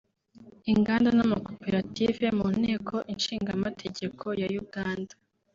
Inganda n’Amakoperative mu Nteko Ishinga Amategeko ya Uganda